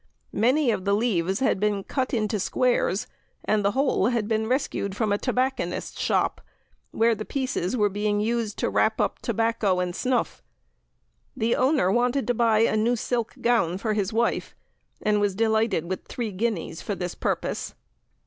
Many of the leaves had been cut into squares, and the whole had been rescued from a tobacconist's shop, where the pieces were being used to wrap up tobacco and snuff. The owner wanted to buy a new silk gown for his wife, and was delighted with three guineas for this purpose.